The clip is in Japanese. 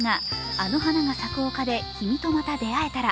「あの花が咲く丘で、君とまた出会えたら」。